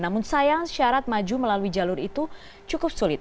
namun sayang syarat maju melalui jalur itu cukup sulit